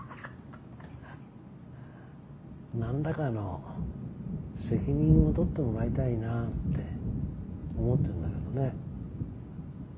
何らかの責任を取ってもらいたいなぁって思ってんだけどね。